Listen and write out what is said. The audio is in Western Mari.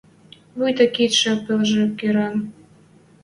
Вуйта кидшӹ пелжӹ кӹрӹн